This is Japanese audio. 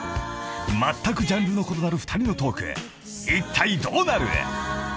［まったくジャンルの異なる２人のトークいったいどうなる！？］